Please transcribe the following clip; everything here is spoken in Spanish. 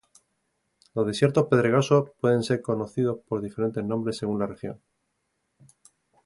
Los desiertos pedregosos puede ser conocidos por diferentes nombres según la región.